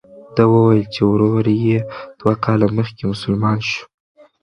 ده وویل چې ورور یې دوه کاله مخکې مسلمان شو.